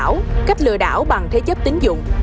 cách lừa đảo cách lừa đảo bằng thế chấp tính dụng